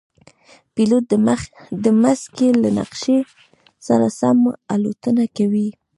پیلوټ د مځکې له نقشې سره سم الوتنه کوي.